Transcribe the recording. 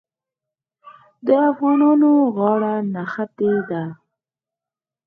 د افغانانو غاړه نښتې ده.